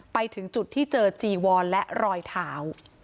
ไปถึงจุดที่เจอจีวอนและรอยเท้า